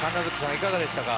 いかがでしたか？